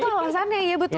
apa apa luar sana ya betul